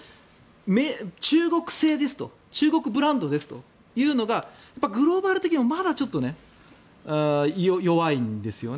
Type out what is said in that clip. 中国製ですと中国ブランドですというのはグローバル的にもまだちょっと弱いんですよね。